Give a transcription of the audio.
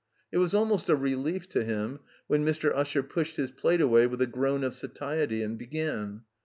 It was almost a relief to him when Mr. Usher pushed his plate away with a groan of satiety, and began.